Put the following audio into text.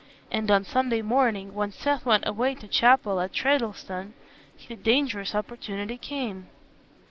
And on Sunday morning, when Seth went away to chapel at Treddleston, the dangerous opportunity came.